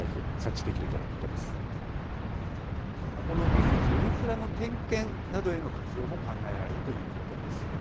この技術、インフラの点検などへの活用も考えられるということです。